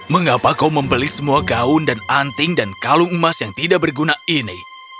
mengapa kau membeli semua gaun dan anting dan kalung emas yang tidak berguna ini